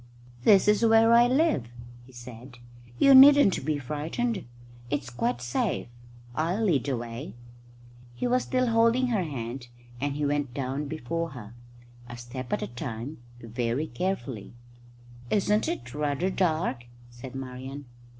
"This is where I live," he said. "You needn't be frightened. It's quite safe. I'll lead the way." He was still holding her hand, and he went down before her, a step at a time, very carefully. "Isn't it rather dark?" said Marian.